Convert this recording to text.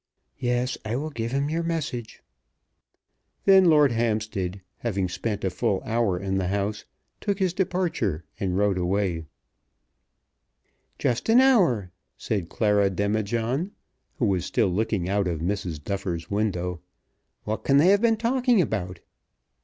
"Yes; I will give him your message." Then Lord Hampstead, having spent a full hour in the house, took his departure and rode away. "Just an hour," said Clara Demijohn, who was still looking out of Mrs. Duffer's window. "What can they have been talking about?"